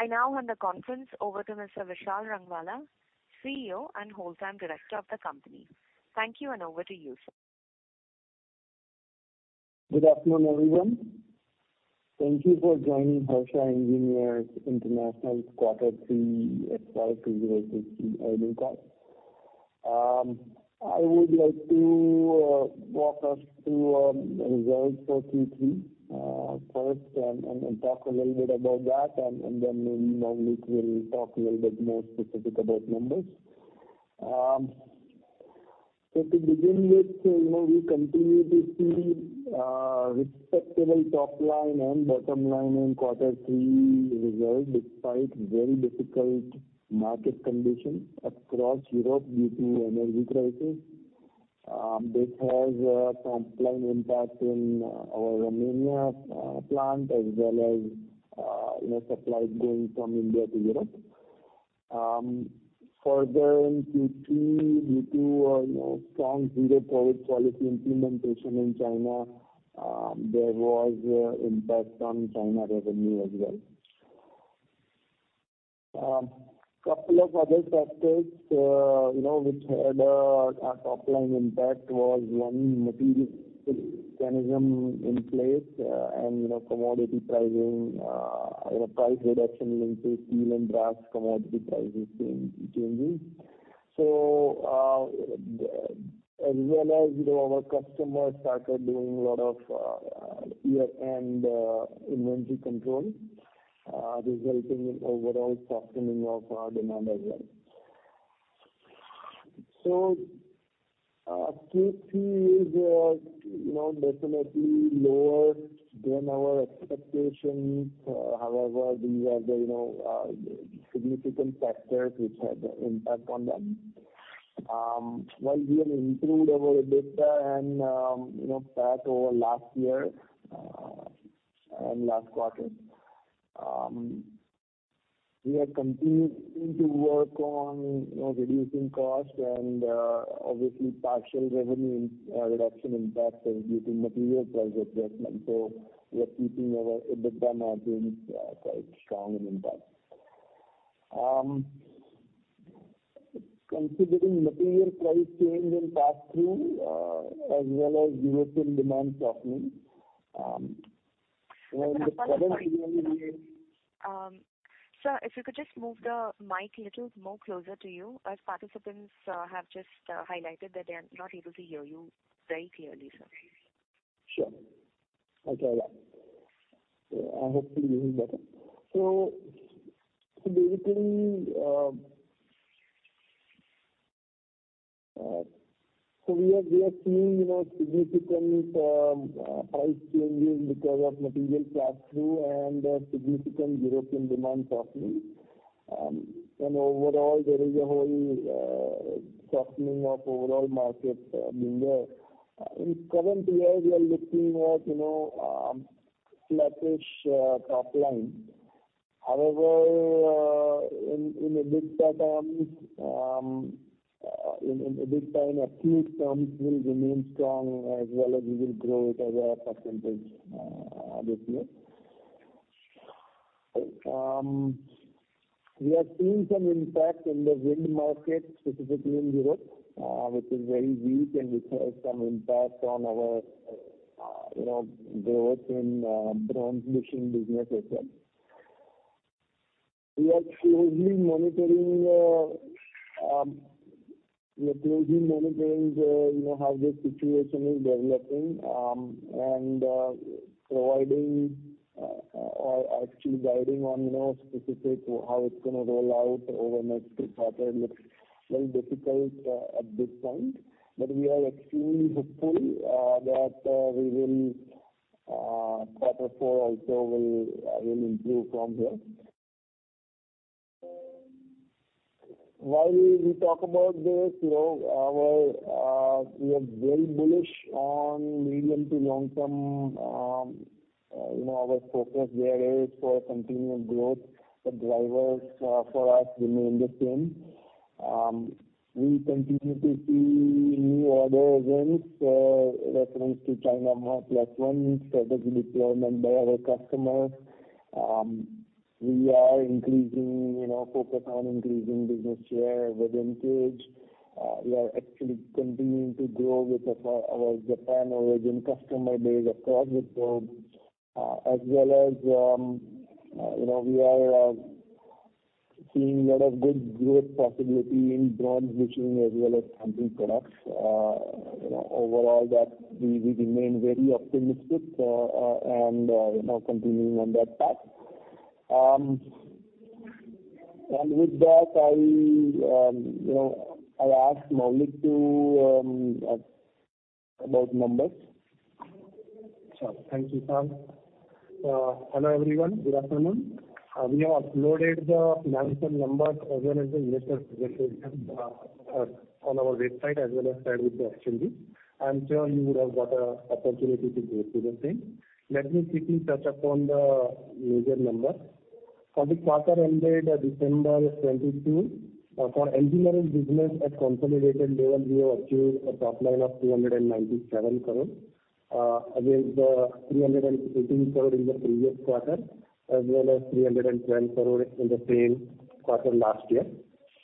I now hand the conference over to Mr. Vishal Rangwala, CEO and Whole Time Director of the company. Thank you and over to you, sir. Good afternoon, everyone. Thank you for joining Harsha Engineers International's quarter three FY 2022 earnings call. I would like to walk us through the results for Q3 first and talk a little bit about that and then maybe Maulik will talk a little bit more specific about numbers. To begin with, you know, we continue to see respectable top line and bottom line in quarter three results, despite very difficult market condition across Europe due to energy crisis. This has a top line impact in our Romania plant as well as, you know, supplies going from India to Europe. Further in Q3, due to, you know, strong zero COVID policy implementation in China, there was impact on China revenue as well. Couple of other factors, which had a topline impact was one material mechanism in place, and commodity pricing, price reduction linked to steel and brass commodity pricing changing. As well as, our customers started doing a lot of year-end inventory control, resulting in overall softening of our demand as well. Q3 is definitely lower than our expectations. However, these are the significant factors which had impact on them. While we have improved our EBITDA and PAT over last year and last quarter, we are continuing to work on reducing costs and obviously partial revenue in reduction impact due to material price adjustment. We are keeping our EBITDA margins, quite strong in impact. Considering material price change in pass-through, as well as European demand softening, the current year. Sir, if you could just move the mic little more closer to you, as participants, have just highlighted that they are not able to hear you very clearly, sir. Sure. I'll try that. I hope you're hearing better. Basically, we are seeing, you know, significant price changes because of material pass-through and a significant European demand softening. Overall there is a whole softening of overall market being there. In current year, we are looking at, you know, flattish top line. However, in EBITDA terms, in EBITDA and EPS terms will remain strong as well as we will grow it as a percentage this year. We are seeing some impact in the wind market, specifically in Europe, which is very weak and which has some impact on our, you know, growth in bronze bushing business as well. We are closely monitoring the, you know, how the situation is developing, and providing or actually guiding on, you know, specific how it's gonna roll out over next few quarter looks very difficult at this point. We are extremely hopeful that we will quarter four also will improve from here. While we talk about this, you know, our, we are very bullish on medium to long term. You know, our focus there is for continued growth. The drivers for us remain the same. We continue to see new order wins, reference to China plus one strategy deployment by our customers. We are increasing, you know, focused on increasing business share with vintage. We are actually continuing to grow with our Japan origin customer base across the globe. As well as, you know, we are seeing lot of good growth possibility in bronze bushing as well as stamping products. You know, overall that we remain very optimistic and, you know, continuing on that path. With that, I'll, you know, I'll ask Maulik to about numbers. Sure. Thank you, Sam. Hello, everyone. Good afternoon. We have uploaded the financial numbers as well as the investor presentation on our website as well as shared with you actually. I'm sure you would have got a opportunity to go through the same. Let me quickly touch upon the major numbers. For the quarter ended December 22, for engineering business at consolidated level, we have achieved a top line of 297 crore. Against the 318 crore in the previous quarter, as well as 312 crore in the same quarter last year.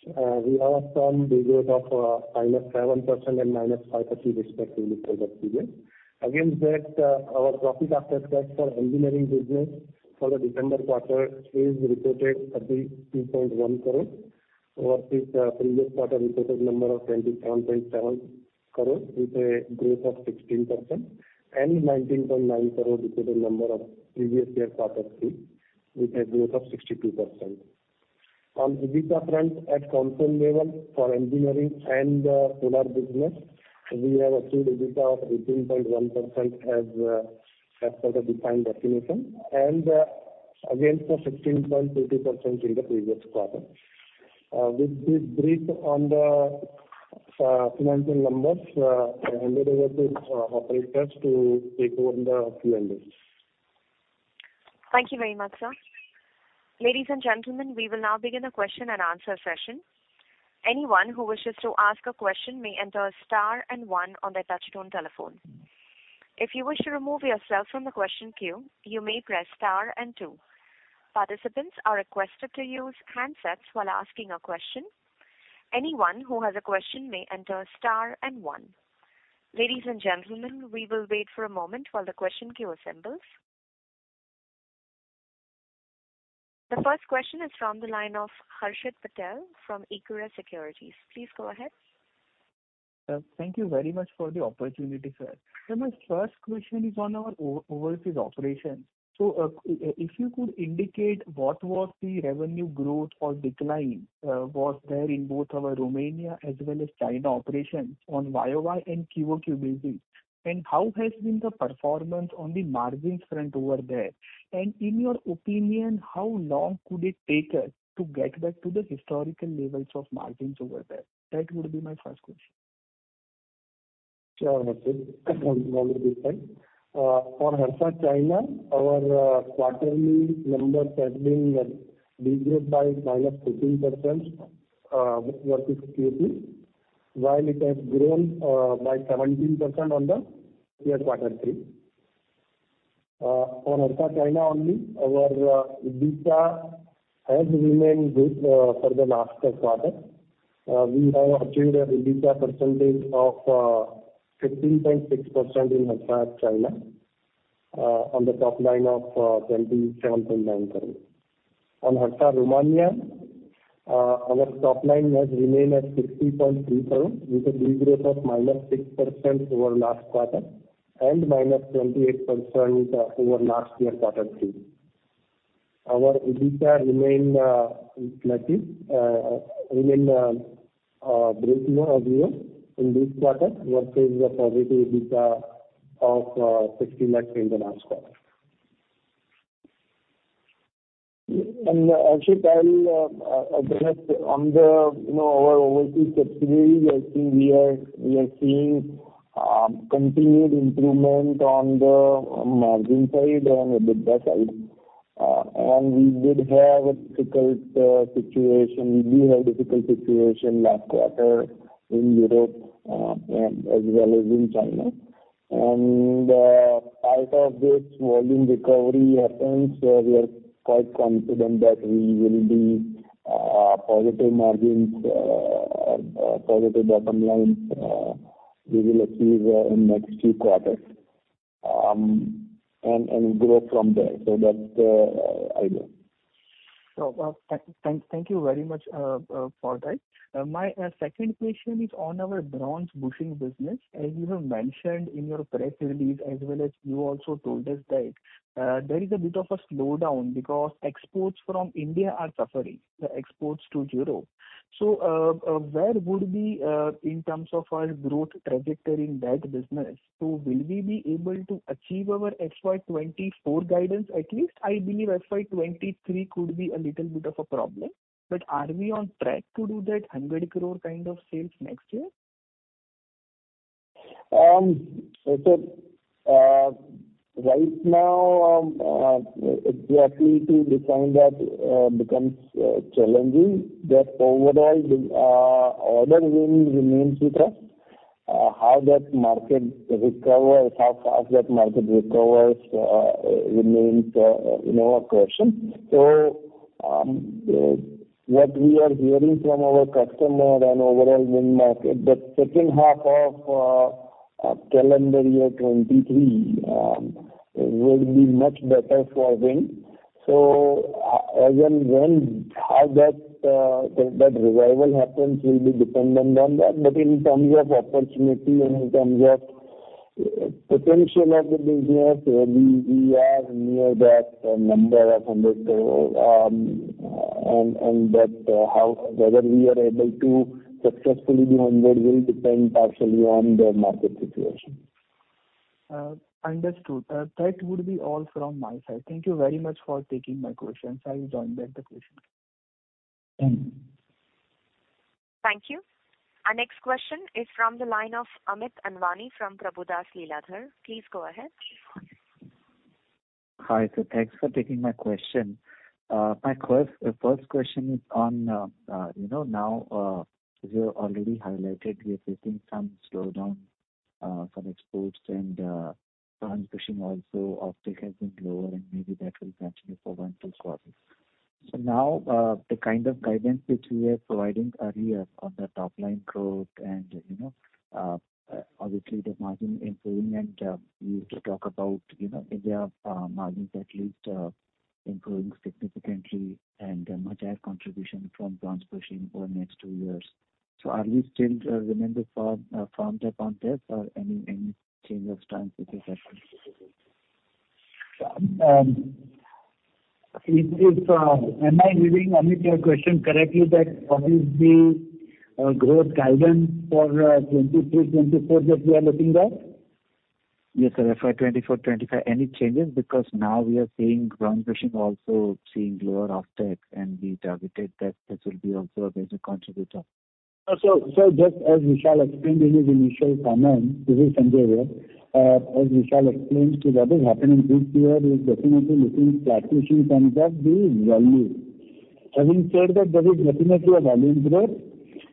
We have a strong de-growth of -7% and -5% respectively for that period. Against that, our profit after tax for engineering business for the December quarter is reported at the 2.1 crore versus previous quarter reported number of 27.7 crore with a growth of 16%, and 19.9 crore reported number of previous year quarter three, with a growth of 62%. On EBITDA front at console level for engineering and the solar business, we have achieved EBITDA of 18.1% as per the defined definition, and against the 16.50% in the previous quarter. With this brief on the financial numbers, I hand it over to operators to take over the Q&As. Thank you very much, sir. Ladies and gentlemen, we will now begin the question and answer session. Anyone who wishes to ask a question may enter star 1 on their touchtone telephone. If you wish to remove yourself from the question queue, you may press star 2. Participants are requested to use handsets while asking a question. Anyone who has a question may enter star 1. Ladies and gentlemen, we will wait for a moment while the question queue assembles. The first question is from the line of Harshit Patel from Equirus Securities. Please go ahead. Thank you very much for the opportunity, sir. My first question is on our overseas operations. If you could indicate what was the revenue growth or decline, was there in both our Romania as well as China operations on YOY and QOQ basis, and how has been the performance on the margins front over there? In your opinion, how long could it take us to get back to the historical levels of margins over there? That would be my first question. Sure, Harshit. No issue at all. For Harsha China, our quarterly numbers has been de-growth by -15% versus Q2, while it has grown by 17% on the year quarter three. On Harsha China only our EBITDA has remained good for the last quarter. We have achieved a EBITDA percentage of 15.6% in Harsha China on the top line of 27.9%. On Harsha Romania, our top line has remained at 60.3% with a de-growth of -6% over last quarter and -28% over last year quarter three. Our EBITDA remained negative, break even or zero in this quarter versus a positive EBITDA of 60 lakhs in the last quarter. Harshit, I'll address on the, you know, our overseas subsidiaries. I think we are seeing continued improvement on the margin side on EBITDA side. We did have a difficult situation. We do have difficult situation last quarter in Europe, as well as in China. As of this volume recovery happens, we are quite confident that we will be positive margins, positive bottom line, we will achieve in next few quarters, and grow from there. That's the idea. Thank you very much for that. My second question is on our bronze bushing business. As you have mentioned in your press release as well as you also told us that there is a bit of a slowdown because exports from India are suffering, the exports to Europe. Where would we in terms of our growth trajectory in that business? Will we be able to achieve our FY 2024 guidance at least? I believe FY 2023 could be a little bit of a problem, but are we on track to do that 100 crore kind of sales next year? Right now, exactly to define that becomes challenging, but overall the order win remains with us. How that market recovers, how fast that market recovers, remains, you know, a question. What we are hearing from our customer and overall wind market, the second half of calendar year 2023, will be much better for wind. Again, when how that revival happens will be dependent on that. In terms of opportunity and in terms of potential of the business, we are near that number of 100 crore. That how whether we are able to successfully do 100 will depend partially on the market situation. Understood. That would be all from my side. Thank you very much for taking my questions. I will join back the question queue. Thank you. Thank you. Our next question is from the line of Amit Anwani from Prabhudas Lilladher. Please go ahead. Hi, sir. Thanks for taking my question. My first question is on, you know, now, as you have already highlighted, we are facing some slowdown for exports and transmission also offtake has been lower, and maybe that will continue for one full quarter. Now, the kind of guidance which we are providing earlier on the top line growth and, you know, obviously the margin improvement. You used to talk about, you know, India margins at least improving significantly and a much higher contribution from transmission over the next two years. Are we still remember from from there on this or any change of stance which has happened? Am I reading, Amit, your question correctly that what is the growth guidance for 2023, 2024 that we are looking at? Yes, sir. For 2024, 2025. Any changes? Now we are seeing transmission also seeing lower offtake, and we targeted that this will be also a basic contributor. Just as Vishal explained in his initial comments. This is Sanjay here. As Vishal explained to what is happening this year is definitely looking flat-ish in terms of the volume. Having said that, there is definitely a volume growth,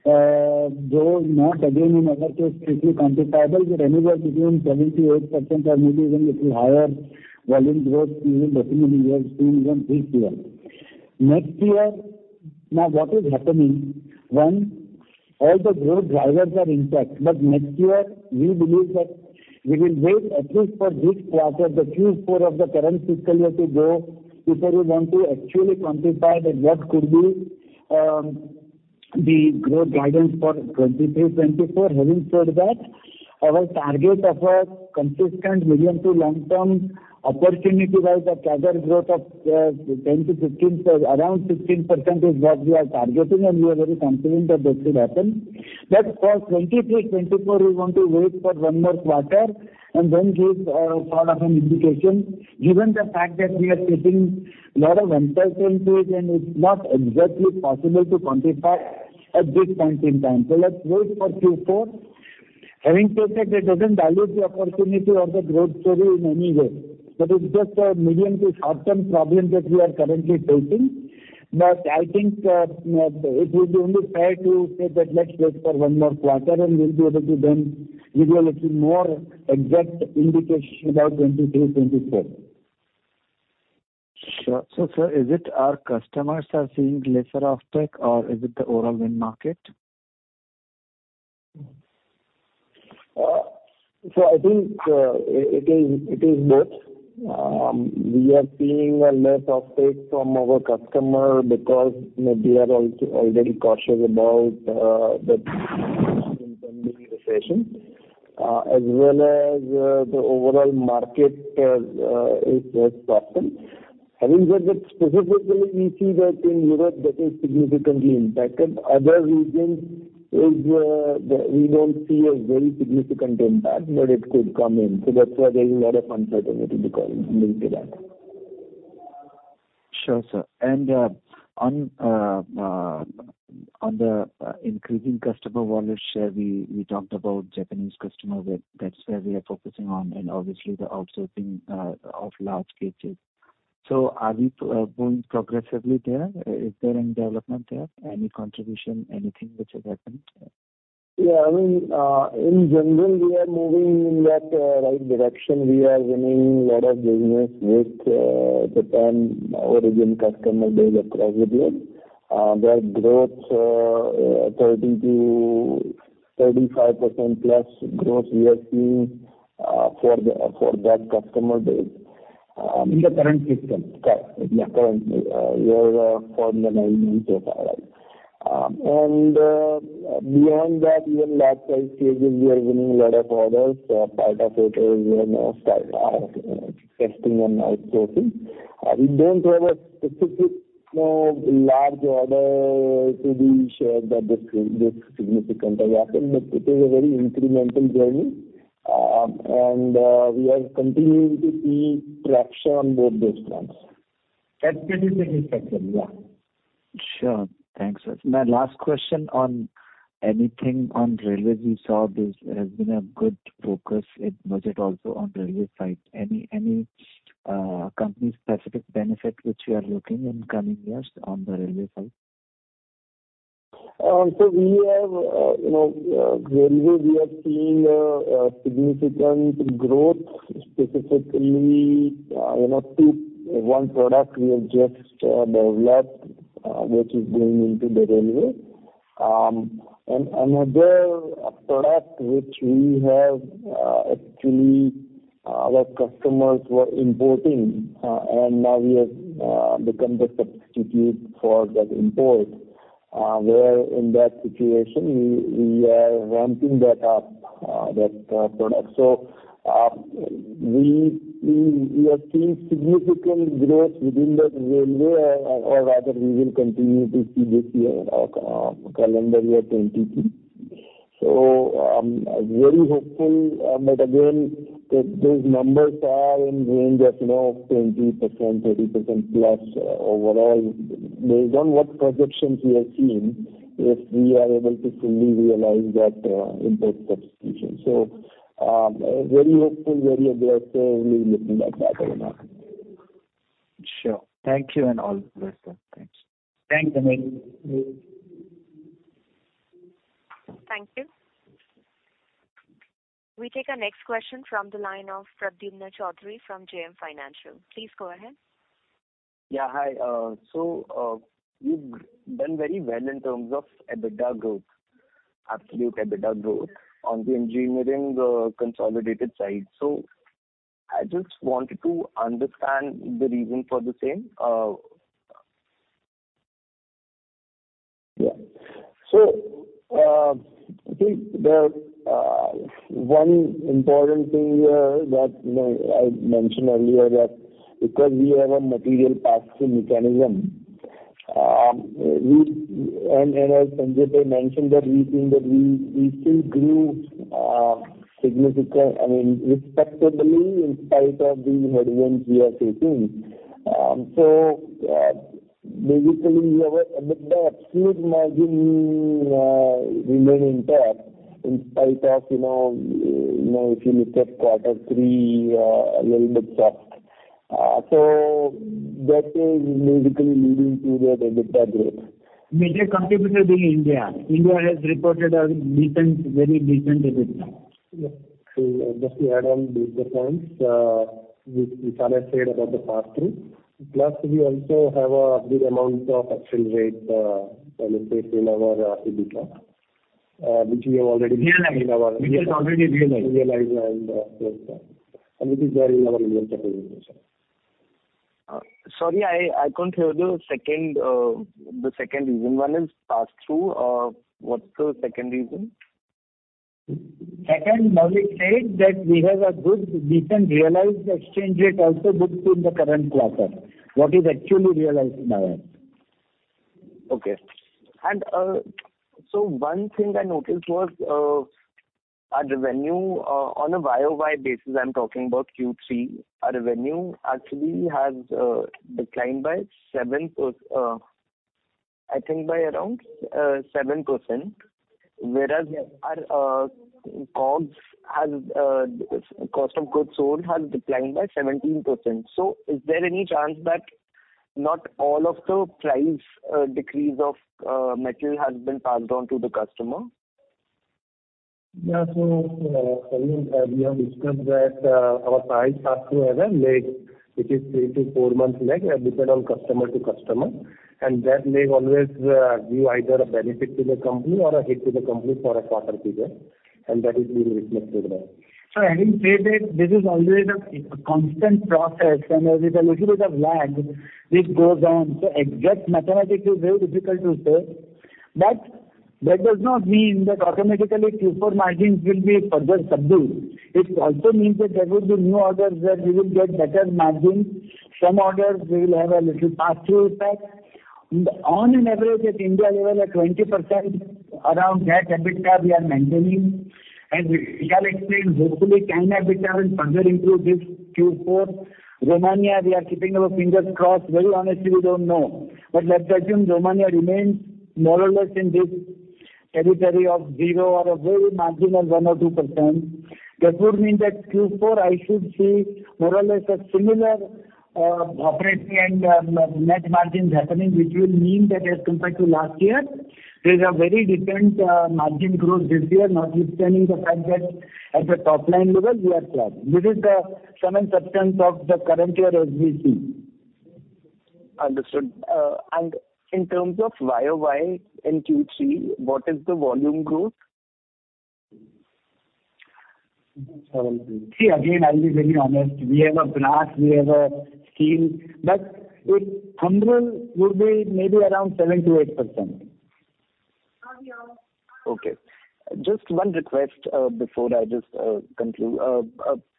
though not again in absolute terms easily quantifiable, but anywhere between 7%-8% or maybe even a little higher volume growth we will definitely be experiencing this year. Next year, now what is happening, one, all the growth drivers are intact. Next year we believe that we will wait at least for this quarter, the Q4 of the current fiscal year to go before we want to actually quantify that what could be, the growth guidance for 2023, 2024. Having said that, our target of a consistent medium to long term opportunity-wise or CAGR growth of 10%-15%, around 16% is what we are targeting, and we are very confident that that should happen. For 2023, 2024, we want to wait for one more quarter and then give sort of an indication given the fact that we are facing a lot of uncertainty and it's not exactly possible to quantify at this point in time. Let's wait for Q4. Having said that, it doesn't dilute the opportunity or the growth story in any way. That is just a medium to short term problem that we are currently facing. I think, it will be only fair to say that let's wait for one more quarter, and we'll be able to then give you a little more exact indication about 2023, 2024. Sure. Sir, is it our customers are seeing lesser offtake or is it the overall wind market? I think it is both. We are seeing a less offtake from our customer because maybe they are also already cautious about the impending recession, as well as the overall market is soften. Having said that, specifically we see that in Europe that is significantly impacted. Other regions is, we don't see a very significant impact, but it could come in. That's why there is a lot of uncertainty because of maybe that. Sure, sir. On the increasing customer wallet share, we talked about Japanese customer that's where we are focusing on and obviously the outsourcing of large cages. Are we going progressively there? Is there any development there? Any contribution? Anything which has happened? Yeah. I mean, in general we are moving in that, right direction. We are winning a lot of business with, Japan origin customer base aggressively. Their growth, 30%-35%+ growth we are seeing, for that customer base. In the current fiscal? Correct. Yeah. Current year for the 19-5. Beyond that even large size cages we are winning lot of orders. Part of it is in testing and outsourcing. We don't have a specific, you know, large order to be shared that this significantly happened, but it is a very incremental journey. We are continuing to see traction on both those fronts. That's very significant. Yeah. Sure. Thanks, sir. My last question on anything on railways. We saw this has been a good focus in budget also on railway side. Any company specific benefit which you are looking in coming years on the railway side? We have, you know, railway we are seeing a significant growth specifically, you know, to one product we have just developed, which is going into the railway. Another product which we have, actually, our customers were importing, and now we have become the substitute for that import. Where in that situation we are ramping that up, that product. We are seeing significant growth within the railway or, rather we will continue to see this year, calendar year 2023. Very hopeful. But again, those numbers are in range of, you know, 20%, 30%+ overall based on what projections we are seeing, if we are able to fully realize that import substitution. Very hopeful, very aggressive. We're looking at that, you know. Sure. Thank you and all the best. Thanks. Thanks, Amit. Thank you. We take our next question from the line of Pradyumna Choudhary from JM Financial. Please go ahead. Yeah, hi. You've done very well in terms of EBITDA growth, absolute EBITDA growth on the engineering, consolidated side. I just wanted to understand the reason for the same. Yeah. I think the one important thing here that, you know, I mentioned earlier that because we have a material pass-through mechanism, as Sanjay mentioned that we think that we still grew, I mean, respectably in spite of these headwinds we are facing. The absolute margin remain intact in spite of, you know, if you look at Q3, a little bit soft. That is basically leading to the EBITDA growth. Major contributor being India. India has reported a decent, very decent EBITDA. Yes. Just to add on these points, we kind of said about the pass-through, plus we also have a good amount of exchange rate benefit in our EBITDA, which we have already realized. Realized. Which is already realized. Realized and closed that. It is there in our India presentation. Sorry, I couldn't hear the second reason. One is pass-through. What's the second reason? Maulik said that we have a good recent realized exchange rate also booked in the current quarter. What is actually realized now? Okay. One thing I noticed was our revenue on a YOY basis, I'm talking about Q3, our revenue actually has declined by 7% I think by around 7%, whereas our COGS has cost of goods sold has declined by 17%. Is there any chance that not all of the price decrease of metal has been passed on to the customer? We have discussed that our price pass-through has a lag. It is 3-4 months lag. Depend on customer to customer, and that may always give either a benefit to the company or a hit to the company for a quarter period, and that is being reflected there. Having said that, this is always a constant process and there is a little bit of lag which goes on, exact mathematics is very difficult to say. That does not mean that automatically Q4 margins will be further subdued. It also means that there will be new orders where we will get better margins. Some orders we will have a little pass-through effect. On an average, at India level, a 20% around that EBITDA we are maintaining. We have explained hopefully China EBITDA will further improve this Q4. Romania, we are keeping our fingers crossed. Very honestly, we don't know. Let's assume Romania remains more or less in this territory of zero or a very marginal 1% or 2%. That would mean that Q4 I should see more or less a similar, operating and net margins happening, which will mean that as compared to last year, there is a very different, margin growth this year, notwithstanding the fact that at the top line level we are flat. This is the sum and substance of the current year as we see. Understood. In terms of YOY in Q3, what is the volume growth? 7%. See, again, I'll be very honest, we have a brass, we have a steel, but it thumbnail would be maybe around 7% to 8%. Okay. Okay. Just one request, before I just conclude.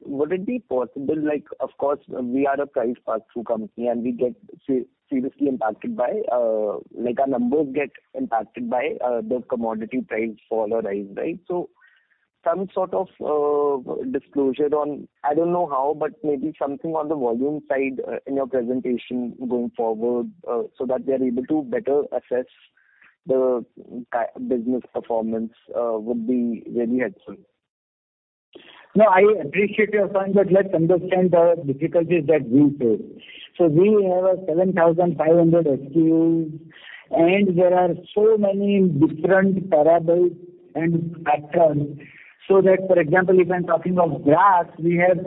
Would it be possible, like of course we are a price pass-through company, and we get seriously impacted by, like our numbers get impacted by, the commodity price fall or rise, right? Some sort of disclosure on, I don't know how, but maybe something on the volume side, in your presentation going forward, so that we are able to better assess the business performance, would be very helpful. No, I appreciate your point, but let's understand the difficulties that we face. We have a 7,500 SKUs, and there are so many different parables and patterns. For example, if I'm talking of brass, we have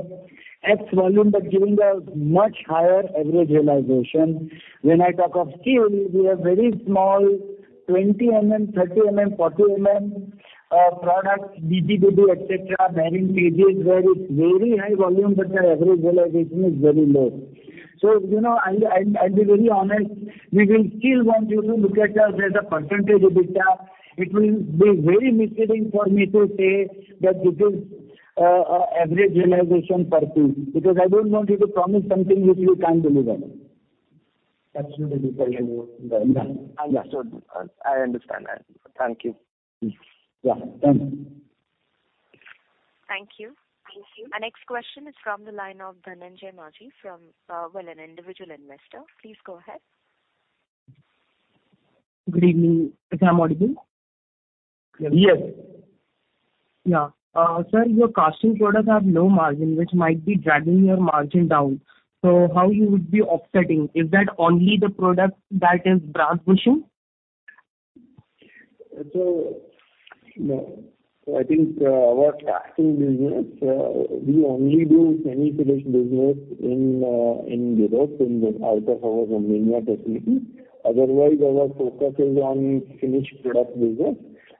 X volume, but giving a much higher average realization. When I talk of steel, we have very small 20 mm, 30 mm, 40 mm products, DG, DD, et cetera, bearing, PG where it's very high volume, but their average realization is very low. You know, I'll be very honest, we will still want you to look at us as a % EBITDA. It will be very misleading for me to say that this is a average realization per piece, because I don't want you to promise something which we can't deliver. Absolutely fair, you know. Yeah. Understood. I understand that. Thank you. Yeah. Thank you. Thank you. Our next question is from the line of Dhananjay Majhi from, well, an individual investor. Please go ahead. Good evening. Is Sam audible? Yes. Yeah. Sir, your casting products have low margin, which might be dragging your margin down. How you would be offsetting? Is that only the product that is bronze bushing? No. I think, our casting business, we only do semi-finished business in Europe, in the out of our Romania facility. Otherwise our focus is on finished product business.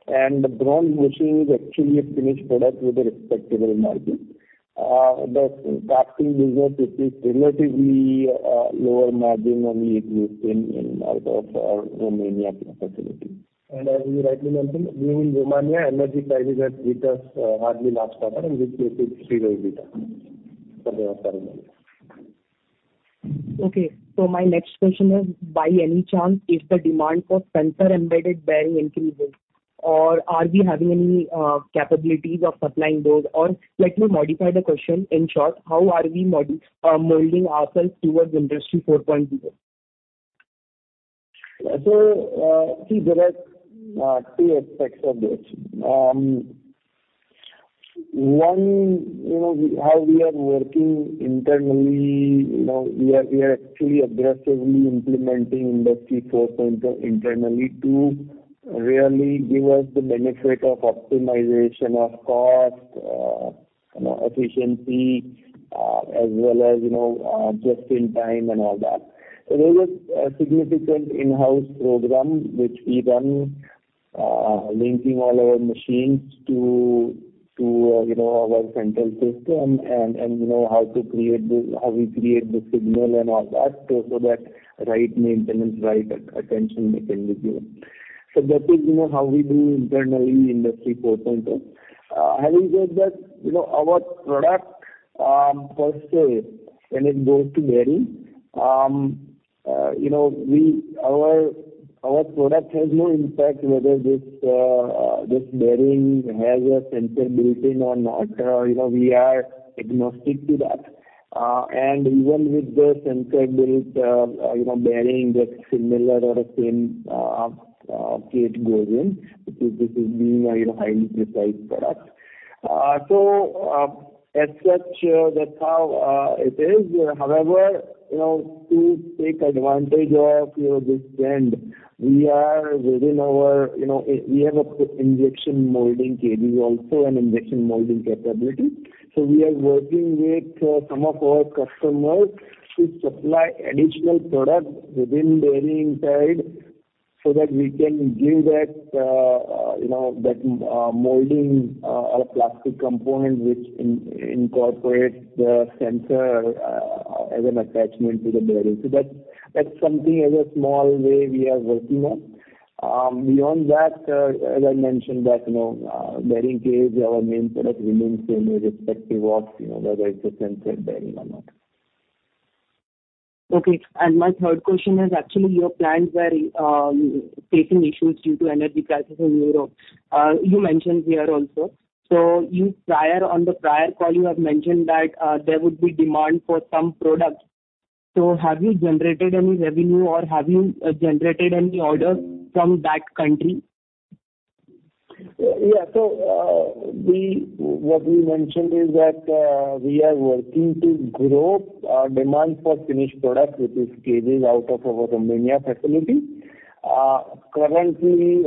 The bronze bushing is actually a finished product with a respectable margin. The casting business, it is relatively lower margin only if you've seen in our Romania facility. As you rightly mentioned, we in Romania, energy prices hit us hardly last quarter, in which case it favored us. My next question is, by any chance, if the demand for sensor embedded bearing increases or are we having any capabilities of supplying those? Let me modify the question. In short, how are we molding ourselves towards Industry 4.0? See, there are two aspects of this. One, you know, how we are working internally, you know, we are actually aggressively implementing Industry 4.0 internally to really give us the benefit of optimization of cost, you know, efficiency, as well as, you know, just in time and all that. There is a significant in-house program which we run, linking all our machines to, you know, our central system and, you know, how we create the signal and all that, so that right maintenance, right attention can be given. That is, you know, how we do internally Industry 4.0. list of common English words that start with the letter 'a'. This list is not exhaustive, but it covers many of the most frequently used words. **Two-letter words:** * a * an * as * at **Three-letter words:** * and * any * are * arm * art * ask * act * aid * air * awe * ape * ash * ant * arc * ace * ago * all * aim * add * axe **Four-letter words:** * also * away * able * area * army * acid * afar * afro * aged * ajar * alas * ally * alto * amen * amid * aqua * arch * arid * arow * aunt * aura * auto * aver * avid * avow * awry * axis * adze * apex * apud * aqua * arab * aril * arvo * aryl * asap * asia * atom * atop * auld * aunt * auto * aver * avid We are working with some of our customers to supply additional products within bearing type so that we can give that, you know, that molding, or plastic component which incorporates the sensor as an attachment to the bearing. That's something as a small way we are working on. As I mentioned that, you know, bearing cage, our main product remains same irrespective of, you know, whether it's a sensor bearing or not. Okay. My third question is actually your plants were facing issues due to energy crisis in Europe. You mentioned here also. On the prior call, you have mentioned that there would be demand for some products. Have you generated any revenue or have you generated any orders from that country? What we mentioned is that we are working to grow our demand for finished products, which is cages out of our Romania facility. Currently,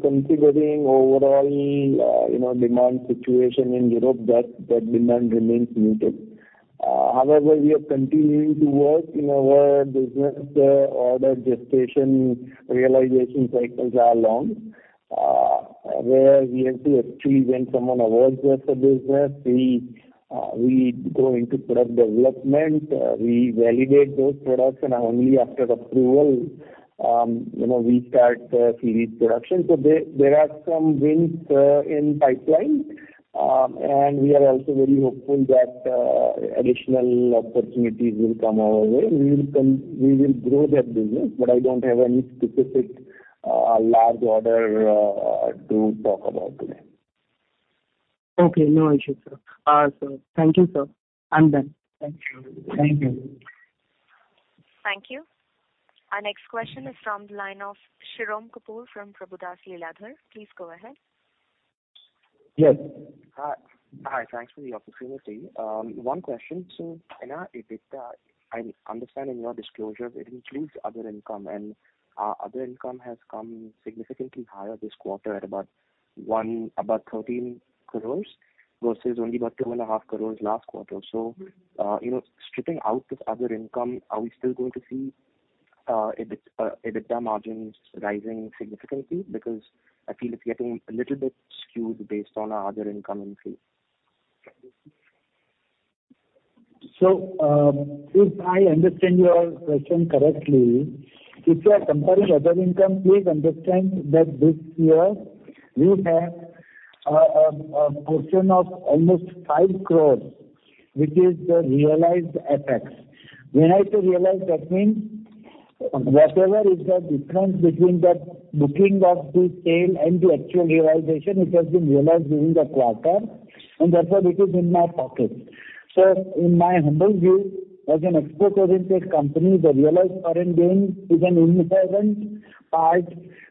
considering overall, you know, demand situation in Europe that demand remains muted. However, we are continuing to work in our business, order gestation realization cycles are long, where we have to actually when someone awards us a business, we go into product development, we validate those products and only after approval, you know, we start series production. There are some wins in pipeline. We are also very hopeful that additional opportunities will come our way. We will grow that business, but I don't have any specific large order to talk about today. Okay, no issues, sir. Thank you, sir. I'm done. Thank you. Thank you. Thank you. Our next question is from the line of Shirom Kapur from Prabhudas Lilladher. Please go ahead. Yes. Hi. Hi, thanks for the opportunity. One question. In our EBITDA, I'm understanding your disclosure, it includes other income, and other income has come significantly higher this quarter at about 13 crores versus only about two and a half crores last quarter. You know, stripping out this other income, are we still going to see EBITDA margins rising significantly? I feel it's getting a little bit skewed based on our other income entry. If I understand your question correctly, if you are comparing other income, please understand that this year we have a portion of almost 5 crores, which is the realized FX. When I say realized, that means whatever is the difference between the booking of the sale and the actual realization, it has been realized during the quarter, and therefore it is in my pocket. In my humble view, as an export-oriented company, the realized foreign gain is an irrelevant part.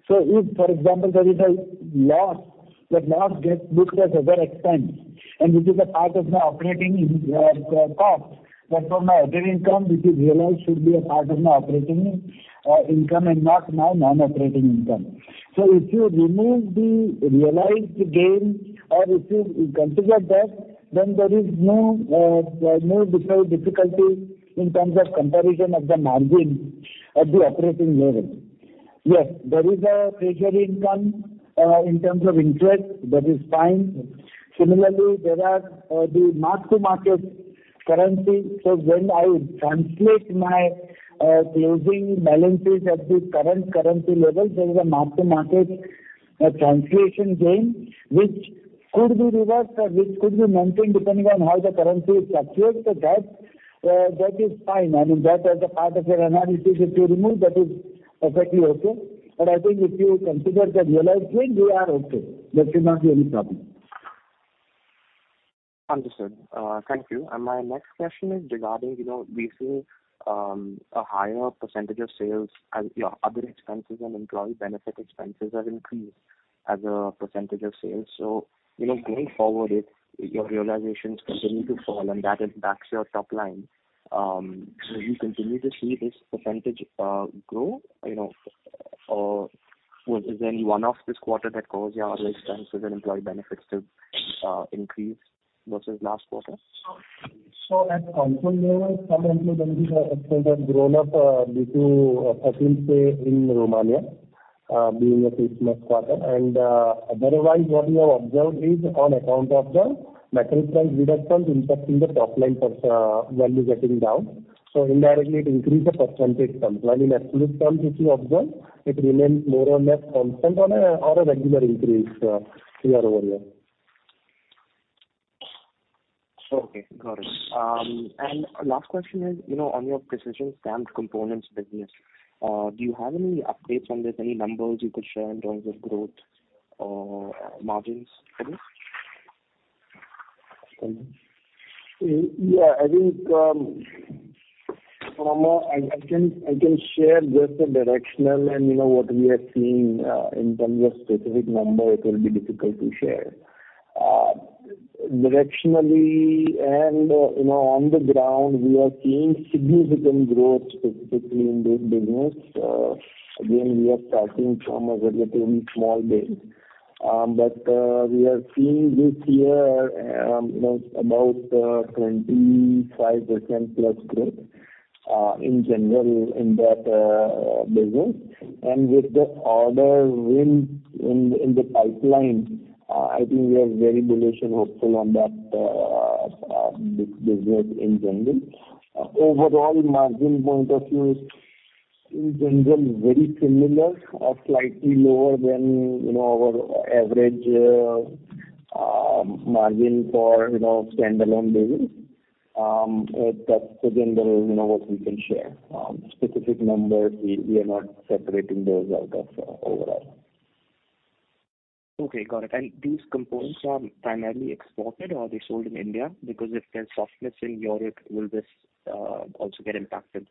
If, for example, there is a loss. That now gets booked as other expense, and this is a part of my operating in- cost that from my other income which is realized should be a part of my operating income and not my non-operating income. If you remove the realized gain or if you consider that, then there is no difficulty in terms of comparison of the margin at the operating level. Yes, there is a treasury income, in terms of interest. That is fine. Similarly, there are the mark-to-market currency. When I translate my closing balances at the current currency level, there is a mark-to-market translation gain which could be reversed or which could be maintained depending on how the currency is captured. That is fine. I mean, that as a part of your analysis, if you remove that is effectively okay. I think if you consider the realized gain, we are okay. There should not be any problem. Understood. Thank you. My next question is regarding, you know, we see a higher percentage of sales and your other expenses and employee benefit expenses have increased as a percentage of sales. You know, going forward, if your realizations continue to fall and that impacts your top line, will you continue to see this percentage grow, you know? Or was it only one-off this quarter that caused your other expenses and employee benefits to increase versus last quarter? At console level, some employee benefits expenses have grown up due to let's say in Romania being a Christmas quarter. Otherwise what we have observed is on account of the metal price reduction impacting the top line per se, value getting down. Indirectly, it increased the percentage terms. In absolute terms, if you observe, it remains more or less constant on a or a regular increase year-over-year. Okay, got it. Last question is, you know, on your Precision Stamped Components business, do you have any updates on this? Any numbers you could share in terms of growth or margins for this? Yeah, I think, I can share just a directional and, you know, what we are seeing. In terms of specific number it will be difficult to share. Directionally and, you know, on the ground we are seeing significant growth specifically in this business. Again, we are starting from a relatively small base. We are seeing this year, you know, about 25% plus growth in general in that business. With the order wins in the pipeline, I think we are very bullish and hopeful on that this business in general. Overall margin point of view is in general very similar or slightly lower than, you know, our average margin for, you know, standalone business. That's the general, you know, what we can share. Specific numbers, we are not separating those out of overall. Okay, got it. These components are primarily exported or they're sold in India? Because if there's softness in Europe, will this also get impacted?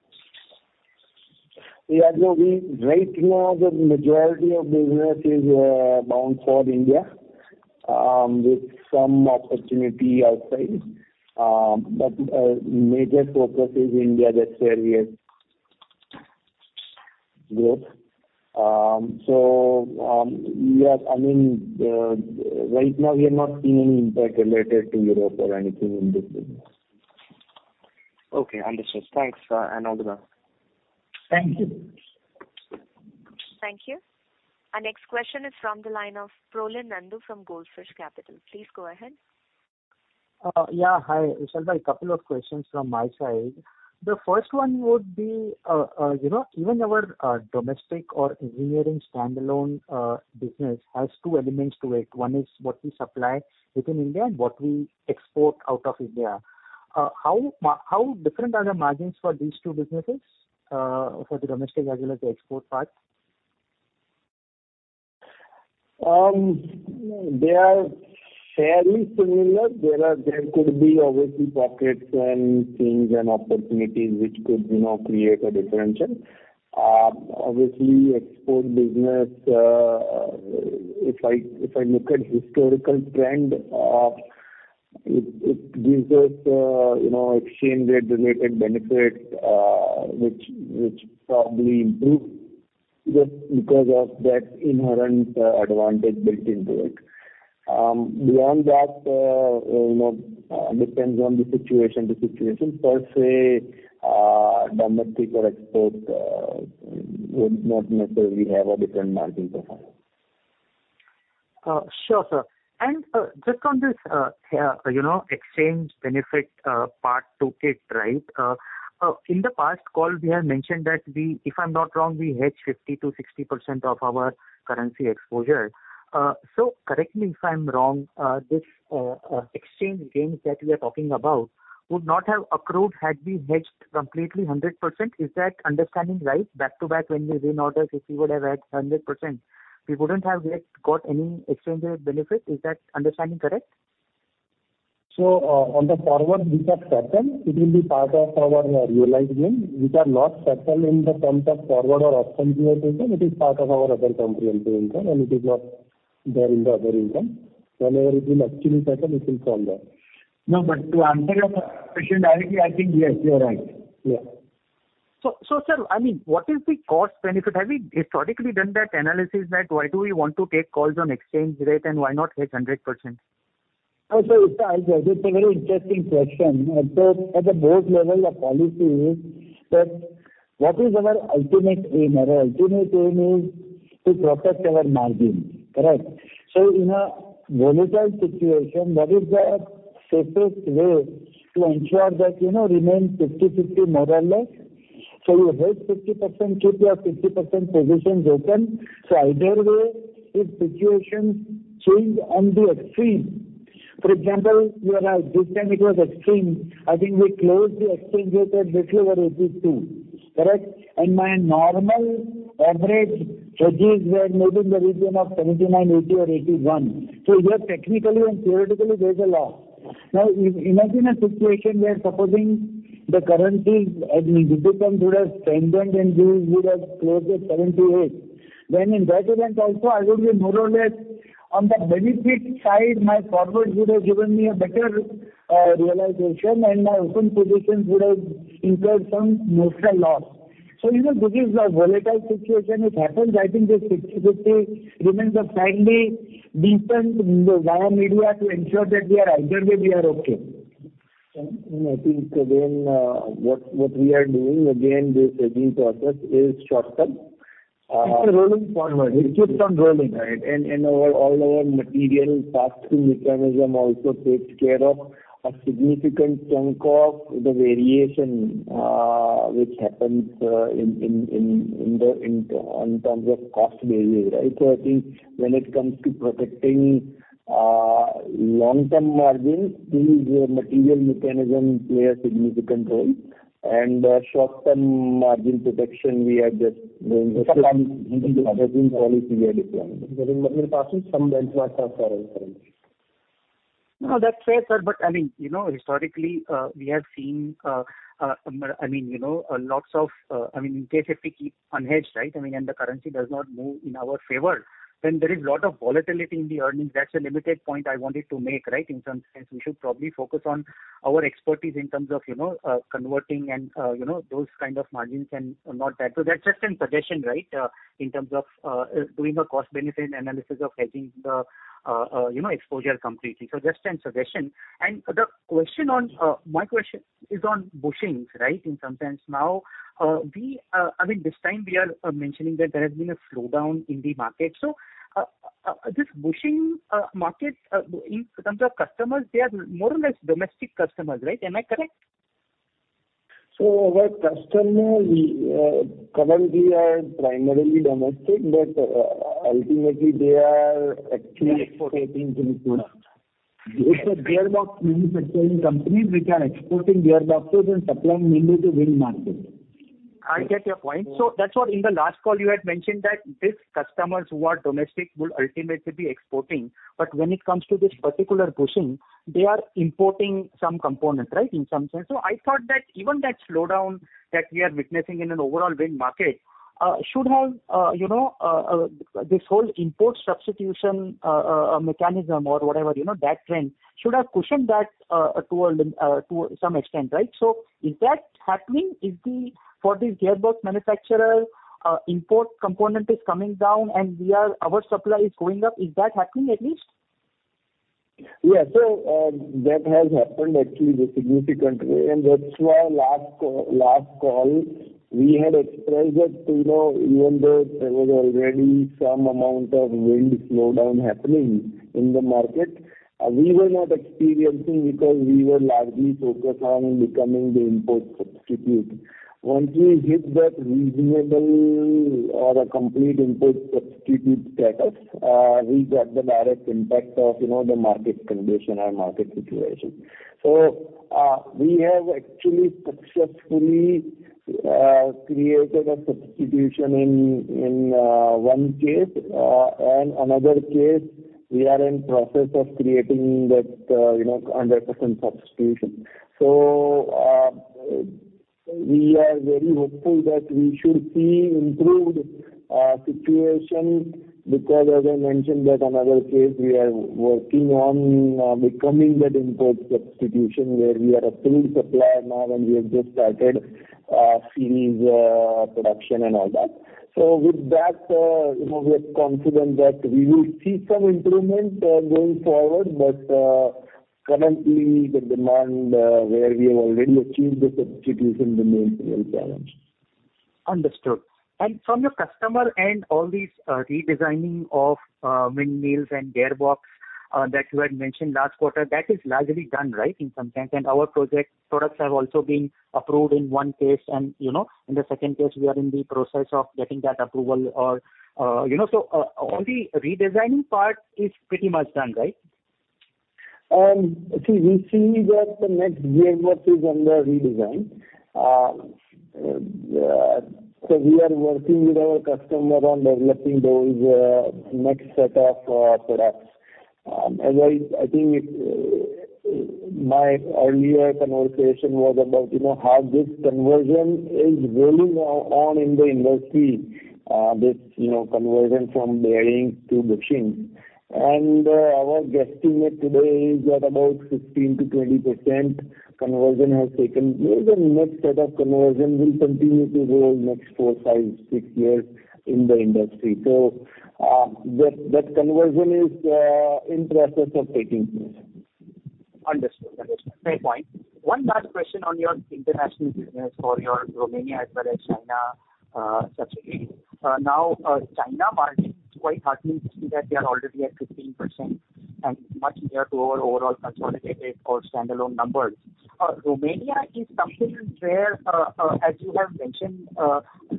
Yeah. No, we right now the majority of business is bound for India, with some opportunity outside. Major focus is India. That's where we have growth. I mean, right now we are not seeing any impact related to Europe or anything in this business. Okay, understood. Thanks, and all the best. Thank you. Thank you. Our next question is from the line of Prolin Nandu from Goldfish Capital. Please go ahead. Yeah. Hi, Vishal. A couple of questions from my side. The first one would be, you know, even our domestic or engineering standalone business has two elements to it. One is what we supply within India and what we export out of India. How different are the margins for these two businesses, for the domestic as well as the export part? They are fairly similar. There could be obviously pockets and things and opportunities which could, you know, create a differential. Obviously export business, if I look at historical trend, it gives us, you know, exchange rate related benefit, which probably improve just because of that inherent advantage built into it. Beyond that, you know, depends on the situation to situation. Per se, domestic or export, would not necessarily have a different margin profile. Sure, sir. Just on this, you know, exchange benefit part to it, right? In the past call, we have mentioned that we, if I'm not wrong, we hedge 50%-60% of our currency exposure. Correct me if I'm wrong, this exchange gains that we are talking about would not have accrued had we hedged completely 100%. Is that understanding right? Back to back when we win orders, if we would have hedged 100%, we wouldn't have yet got any exchange rate benefit. Is that understanding correct? On the forward which are settled, it will be part of our realized gain, which are not settled in the terms of forward or option gains and it is part of our other comprehensive income, and it is not there in the other income. Whenever it will actually settle, it will come there. To answer your question directly, I think yes, you are right. Yes. Sir, I mean, what is the cost benefit? Have we historically done that analysis that why do we want to take calls on exchange rate and why not hedge 100%? It's a, it's a very interesting question. At the, at the board level, our policy is that what is our ultimate aim? Our ultimate aim is to protect our margin. Correct? In a volatile situation, what is the safest way to ensure that, you know, remain 50-50 more or less. You hedge 50%, keep your 50% positions open. Either way, if situations change on the extreme, for example, you are right, this time it was extreme. I think we closed the exchange rate at little over 82. Correct? My normal average hedges were maybe in the region of 79, 80 or 81. Here technically and theoretically there's a loss. Now, imagine a situation where supposing the currency, I mean, this time should have strengthened and we would have closed at 78. In that event also, I would be more or less on the benefit side, my forward would have given me a better realization, and my open positions would have incurred some marginal loss. You know, this is a volatile situation. It happens. I think this 50-50 remains a friendly beacon via media to ensure that we are either way we are okay. I think again, what we are doing, again, this hedging process is short term. It's a rolling forward. It's just on rolling, right. And our all our material pass-through mechanism also takes care of a significant chunk of the variation which happens in the on terms of cost variation, right? I think when it comes to protecting long-term margins, still the material mechanism play a significant role. Short-term margin protection, we have just, you know, policy we are deploying. In material passing, some benefits are there, I mean. No, that's fair, sir. I mean, you know, historically, we have seen, I mean, you know, lots of, I mean, in case if we keep unhedged, right? I mean, the currency does not move in our favor, then there is lot of volatility in the earnings. That's a limited point I wanted to make, right? In some sense, we should probably focus on our expertise in terms of, you know, converting and, you know, those kind of margins and not that. That's just an suggestion, right? In terms of, doing a cost benefit analysis of hedging the, you know, exposure completely. Just an suggestion. The question on, my question is on bushings, right? In some sense now, we, I mean, this time we are mentioning that there has been a slowdown in the market. This bushing market, in terms of customers, they are more or less domestic customers, right? Am I correct? Our customers, currently are primarily domestic, but, ultimately they are. Exporting things in full. It's a gearbox manufacturing company which are exporting gearboxes and supplying mainly to wind market. I get your point. That's what in the last call you had mentioned that these customers who are domestic will ultimately be exporting. When it comes to this particular bushing, they are importing some component, right, in some sense. I thought that even that slowdown that we are witnessing in an overall wind market, should have, you know, this whole import substitution mechanism or whatever, you know, that trend should have cushioned that to some extent, right? Is that happening? For this gearbox manufacturer, import component is coming down and we are, our supply is going up? Is that happening at least? That has happened actually in a significant way, and that's why last call we had expressed that, you know, even though there was already some amount of wind slowdown happening in the market, we were not experiencing because we were largely focused on becoming the import substitute. Once we hit that reasonable or a complete import substitute status, we got the direct impact of, you know, the market condition or market situation. We have actually successfully created a substitution in one case, and another case we are in process of creating that, you know, 100% substitution. We are very hopeful that we should see improved situation because as I mentioned that another case we are working on becoming that import substitution where we are a full supplier now and we have just started series production and all that. With that, you know, we are confident that we will see some improvement going forward. Currently the demand where we have already achieved the substitution remain real challenge. Understood. From your customer and all these, redesigning of windmills and gearbox, that you had mentioned last quarter, that is largely done, right, in some sense? Our project products have also been approved in one case and you know, in the second case we are in the process of getting that approval or, you know. On the redesigning part is pretty much done, right? See, we see that the next gearbox is under redesign. We are working with our customer on developing those next set of products. As I think it's. My earlier conversation was about, you know, how this conversion is going on in the industry, this, you know, conversion from bearings to machines. Our guesstimate today is at about 15%-20% conversion has taken. There's a next set of conversion will continue to grow next four, five, six years in the industry. That conversion is in process of taking place. Understood. Understood. Fair point. One last question on your international business for your Romania as well as China subsidiaries. Now, China margins quite heartening to see that they are already at 15% and much near to our overall consolidated or standalone numbers. Romania is something where, as you have mentioned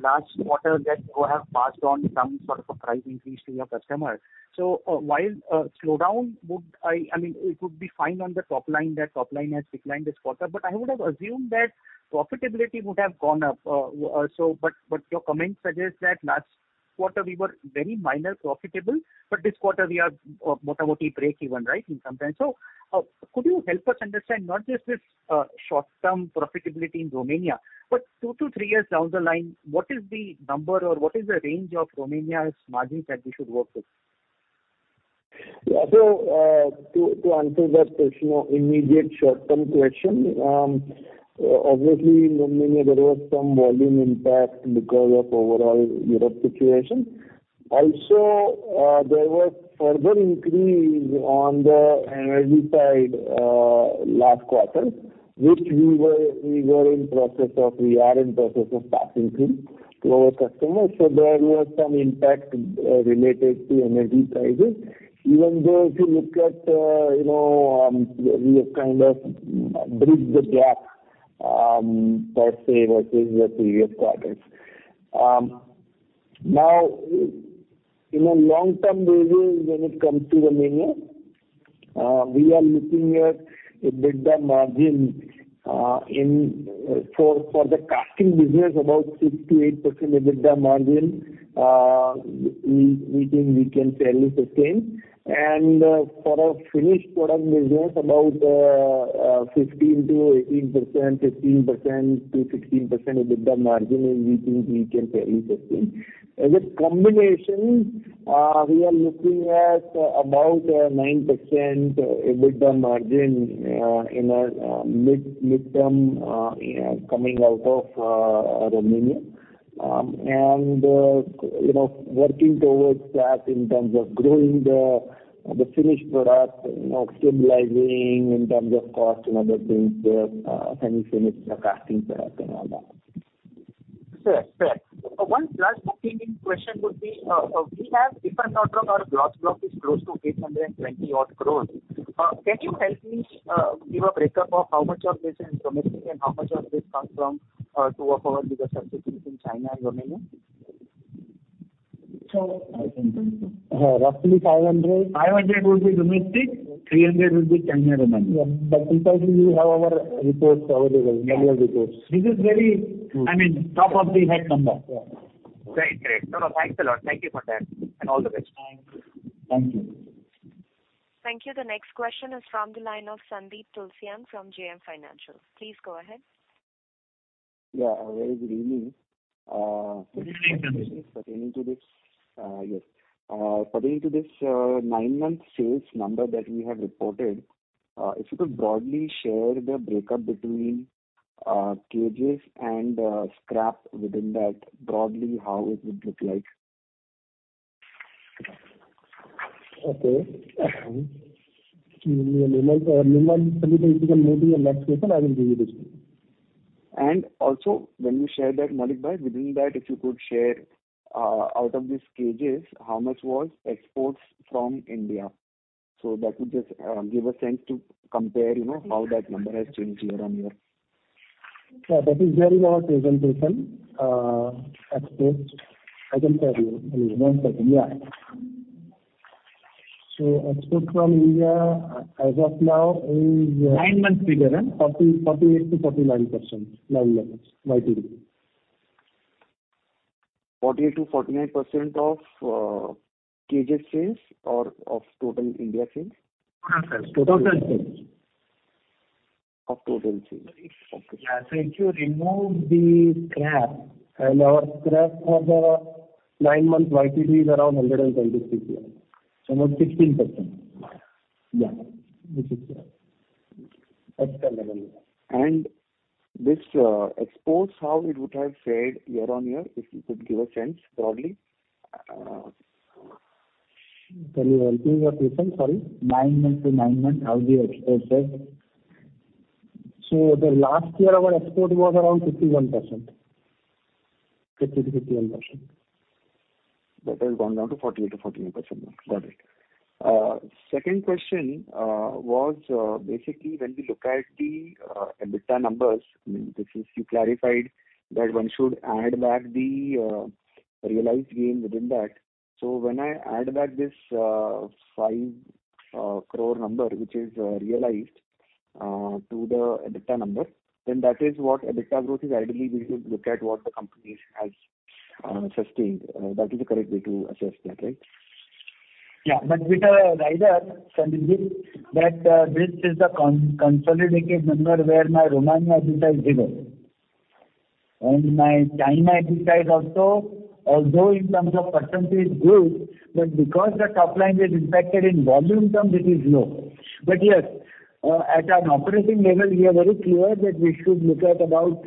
last quarter that you have passed on some sort of a price increase to your customers. While slowdown would, I mean, it would be fine on the top line, that top line has declined this quarter, but I would have assumed that profitability would have gone up. But your comments suggest that last quarter we were very minor profitable, but this quarter we are more to more to break even, right, in some sense. Could you help us understand not just this short-term profitability in Romania, but 2-3 years down the line, what is the number or what is the range of Romania's margins that we should work with? Yeah. To answer that question or immediate short-term question, obviously in Romania there was some volume impact because of overall Europe situation. There was further increase on the energy side, last quarter, which we were in process of, we are in process of passing through to our customers. There was some impact related to energy prices. Even though if you look at, you know, we have kind of bridged the gap per se versus the previous quarters. In a long-term basis, when it comes to Romania, we are looking at EBITDA margin in for the casting business, about 6%-8% EBITDA margin, we think we can fairly sustain. For our finished product business, about, 15%-18%, 15%-16% EBITDA margin is we think we can fairly sustain. As a combination, we are looking at about, 9% EBITDA margin, in a mid-term, coming out of Romania. You know, working towards that in terms of growing the finished product, you know, stabilizing in terms of cost and other things there, semi-finished, the casting products and all that. Fair. Fair. One last bookkeeping question would be, we have, if I'm not wrong, our gross block is close to 820 odd crores. Can you help me give a breakup of how much of this is domestic and how much of this comes from two of our bigger subsidiaries in China and Romania? I think, roughly 500. 500 would be domestic, 300 would be China and Romania. Yes. Precisely we have our reports available, annual reports. This is very, I mean, top of the head number. Yeah. Great. Great. No, no, thanks a lot. Thank you for that. All the best. Thank you. Thank you. Thank you. The next question is from the line of Sandeep Tulsiyan from JM Financial. Please go ahead. Yeah. A very good evening. Good evening, Sandeep. Pertaining to this, yes. Pertaining to this, 9-month sales number that we have reported, if you could broadly share the breakup between cages and scrap within that, broadly how it would look like. Okay. Give me a moment. Give me one second. If you can move to your next question, I will give you this one. When you share that, Maulik Jasani, within that if you could share, out of these cages, how much was exports from India. That would just give a sense to compare, you know, how that number has changed year-on-year. Yeah, that is there in our presentation. Exports, I can tell you. Give me one second. Yeah. Export from India as of now is. Nine months figure, huh? 48%-49%, nine months YTD. 48%-49% of, cages sales or of total India sales? Total sales. Total sales. Of total sales. Okay. Yeah. If you remove the scrap, and our scrap for the 9-month YTD is around 126 million. About 16%. Yeah. This is at the level. This, exports, how it would have fared year-on-year, if you could give a sense broadly? Let me repeat your question. Sorry. Nine month to nine month how the export fared? The last year our export was around 51%. 50%-51%. That has gone down to 48%-49% now. Got it. Second question was basically when we look at the EBITDA numbers, I mean, this is you clarified that one should add back the realized gain within that. When I add back this 5 crore number which is realized to the EBITDA number, then that is what EBITDA growth is ideally we should look at what the company has sustained. That is the correct way to assess that, right? Yeah. With either Sandip, that this is a consolidated number where my Romania EBITDA is 0. My China EBITDA is also, although in terms of percentage good, but because the top line is impacted in volume terms it is low. Yes, at an operating level we are very clear that we should look at about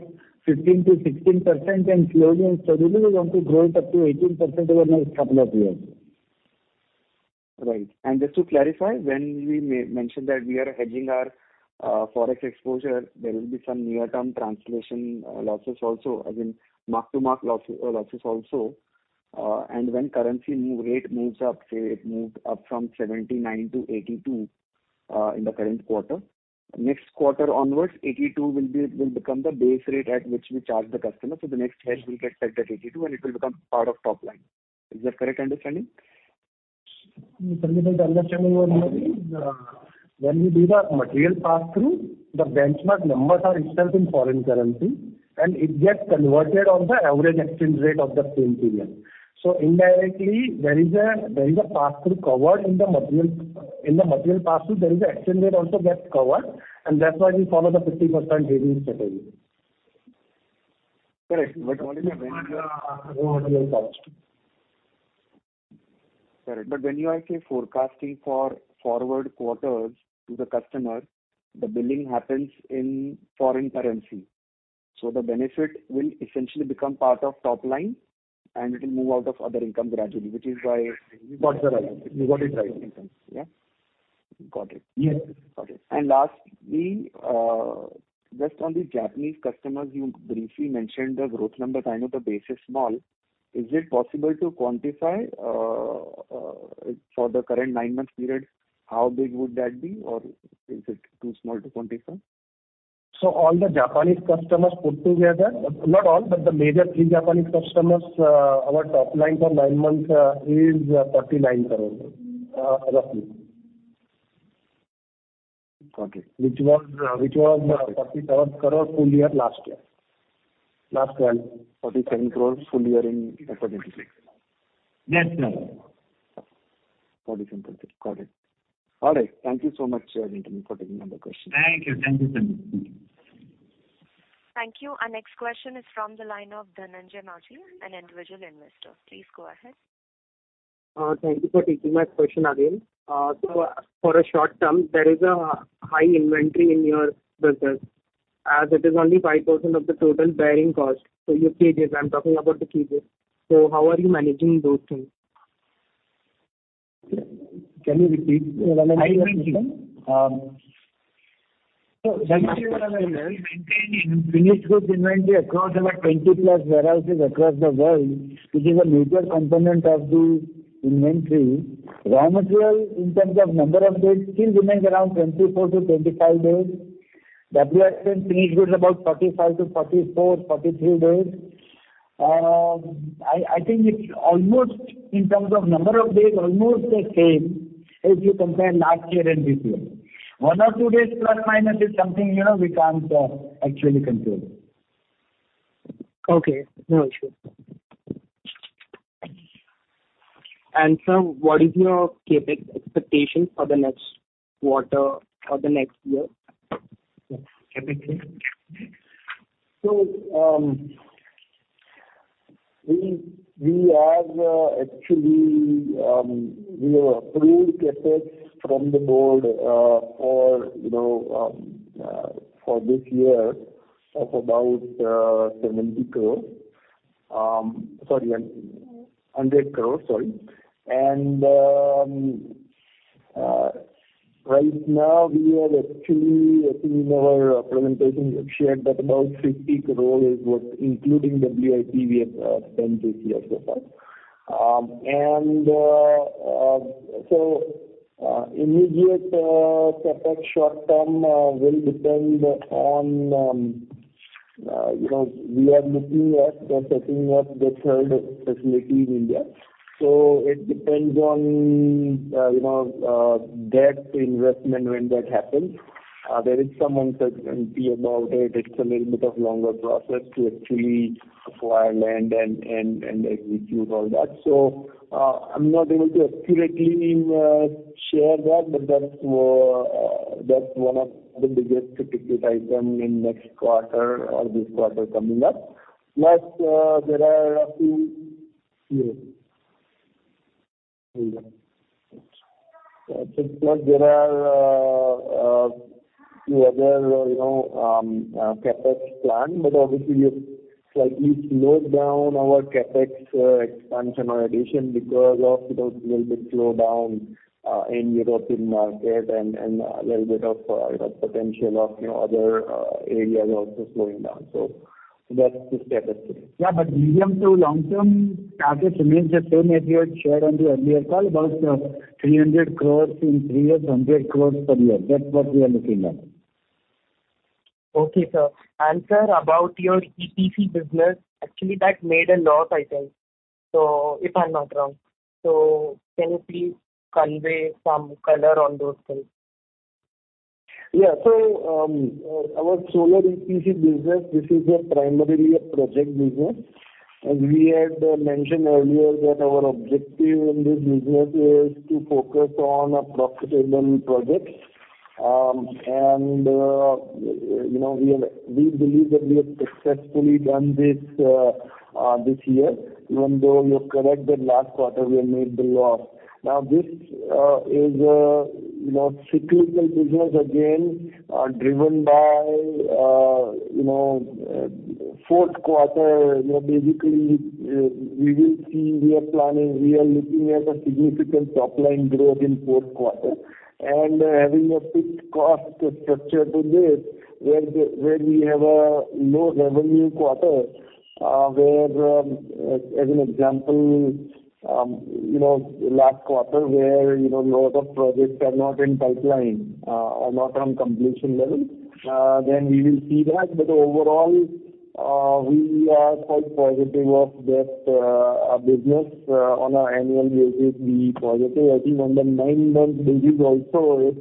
15%-16% and slowly and steadily we want to grow it up to 18% over the next couple of years. Right. Just to clarify, when we mention that we are hedging our forex exposure, there will be some near-term translation losses also. I mean, mark-to-mark losses also. When currency move, rate moves up, say it moved up from 79 to 82 in the current quarter. Next quarter onwards, 82 will become the base rate at which we charge the customer, so the next hedge will get set at 82, and it will become part of top line. Is that correct understanding? Sandip, the understanding over here is, when we do the material pass-through, the benchmark numbers are itself in foreign currency, and it gets converted on the average exchange rate of the same period. Indirectly, there is a pass-through covered in the material. In the material pass-through, there is an exchange rate also gets covered, and that's why we follow the 50% hedging strategy. Correct. Only the raw material cost. Correct. When you are forecasting for forward quarters to the customer, the billing happens in foreign currency. The benefit will essentially become part of top line, and it will move out of other income gradually, which is why. You got it right. You got it right. Yeah. Got it. Yes. Got it. Lastly, just on the Japanese customers, you briefly mentioned the growth number. I know the base is small. Is it possible to quantify for the current 9-month period, how big would that be? Or is it too small to quantify? All the Japanese customers put together, not all, but the major three Japanese customers, our top line for nine months, is 49 crore, roughly. Okay. Which was 47 crore full year last year. 47 crores full year in 2023. Yes, sir. 47 crore. Got it. All right. Thank you so much, Nitin, for taking all the questions. Thank you. Thank you, Sandeep. Thank you. Our next question is from the line of Dhananjay Maurya, an individual investor. Please go ahead. Thank you for taking my question again. For a short term, there is a high inventory in your business, as it is only 5% of the total bearing cost. Your CAGR, I'm talking about the CAGR. How are you managing those things? Can you repeat? High inventory. We are maintaining finished goods inventory across our 20-plus warehouses across the world, which is a major component of the inventory. Raw material in terms of number of days still remains around 24-25 days. WIP and finished goods about 45-44, 43 days. I think it's almost in terms of number of days, almost the same as you compare last year and this year. 1 or 2 days plus minus is something, you know, we can't actually control. Okay. No issue. Sir, what is your CapEx expectation for the next quarter or the next year? CapEx? We have, actually, we have approved CapEx from the board, you know, for this year of about, 70 crore. Sorry, 100 crore, sorry. Right now we have actually, I think in our presentation we've shared that about 50 crore is what including WIP we have, spent this year so far. Immediate, CapEx short term, will depend on, you know, we are looking at the setting up the third facility in India. It depends on, you know, that investment when that happens. There is some uncertainty about it. It's a little bit of longer process to actually acquire land and execute all that. I'm not able to accurately share that, but that's one of the biggest ticket item in next quarter or this quarter coming up. There are a few... Yes. Hold on. There are few other, you know, CapEx plan, but obviously we've slightly slowed down our CapEx expansion or addition because of, you know, little bit slowdown in European market and a little bit of, you know, potential of, you know, other, areas also slowing down. That's the status today. Yeah, medium to long term target remains the same as we had shared on the earlier call, about 300 crores in three years, 100 crores per year. That's what we are looking at. Okay, sir. Sir, about your EPC business, actually that made a loss, I think. If I'm not wrong. Can you please convey some color on those things? Our solar EPC business, this is a primarily a project business. As we had mentioned earlier that our objective in this business is to focus on a profitable projects. You know, we believe that we have successfully done this this year, even though you're correct that last quarter we have made the loss. This is a, you know, cyclical business again, driven by, you know, fourth quarter. You know, basically, we will see, we are planning, we are looking at a significant top line growth in fourth quarter and having a fixed cost structure to this where we have a low revenue quarter, as an example, you know, last quarter where, you know, lot of projects are not in pipeline, or not on completion level, then we will see that. Overall, we are quite positive of that business. On an annual basis, be positive. I think on the 9 months basis also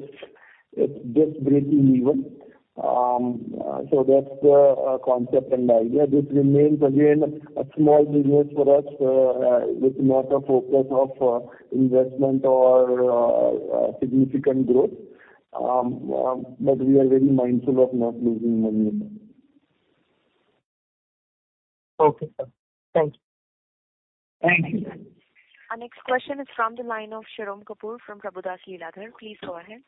it's just breaking even. That's the concept and the idea. This remains again a small business for us, with not a focus of investment or significant growth. But we are very mindful of not losing money. Okay, sir. Thank you. Thank you. Our next question is from the line of Shirom Kapur from Prabhudas Lilladher. Please go ahead.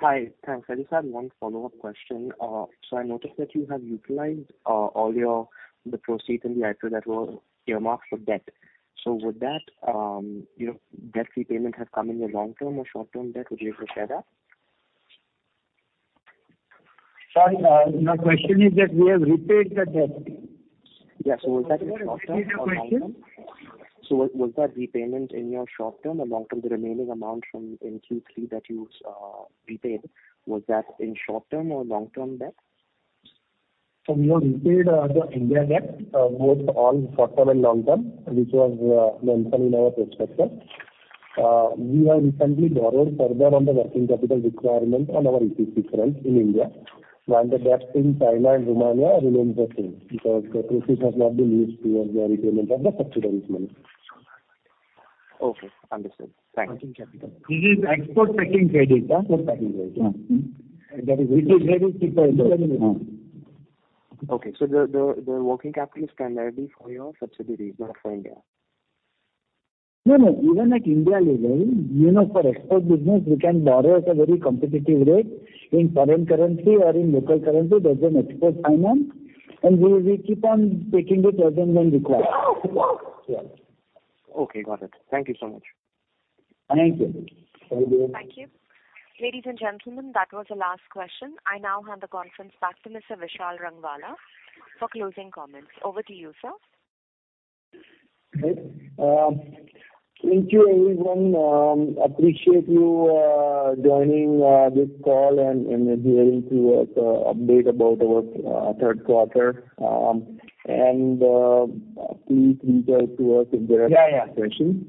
Hi. Thanks. I just had one follow-up question. I noticed that you have utilized all your, the proceeds in the IPO that were earmarked for debt. Would that, you know, debt repayment have come in your long-term or short-term debt? Would you able to share that? Sorry. My question is that we have repaid the debt. Yeah. Was that in short term or long term? Can you please repeat the question? Was that repayment in your short-term or long-term, the remaining amount from in Q3 that you repaid, was that in short-term or long-term debt? We have repaid the India debt both on short-term and long-term, which was mentioned in our prospectus. We have recently borrowed further on the working capital requirement on our EPC front in India. The debt in China and Romania remains the same because the proceeds have not been used towards the repayment of the subsidiaries money. Okay, understood. Thanks. Working capital. This is export packing credit. Export packing credit. Yeah. Mm-hmm. Which is very cheaper. Okay. The working capital is primarily for your subsidiaries, not for India. No, no. Even like India level, you know, for export business, we can borrow at a very competitive rate in foreign currency or in local currency as an export finance, and we will keep on taking it as and when required. Okay, got it. Thank you so much. Thank you. Thank you. Thank you. Ladies and gentlemen, that was the last question. I now hand the conference back to Mr. Vishal Rangwala for closing comments. Over to you, sir. Great. Thank you everyone. Appreciate you joining this call and adhering to the update about our third quarter. Please reach out to us if there are any questions.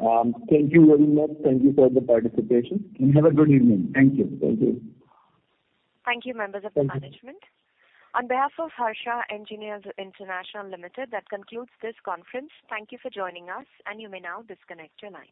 Yeah, yeah. Thank you very much. Thank you for the participation. Have a good evening. Thank you. Thank you. Thank you, members of the management. Thank you. On behalf of Harsha Engineers International Limited, that concludes this conference. Thank you for joining us, and you may now disconnect your lines.